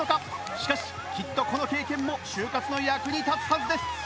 しかしきっとこの経験も就活の役に立つはずです。